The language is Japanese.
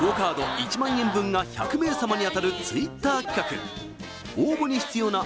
１万円分が１００名様に当たるＴｗｉｔｔｅｒ企画応募に必要な＃